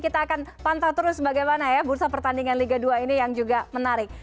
kita akan pantau terus bagaimana ya bursa pertandingan liga dua ini yang juga menarik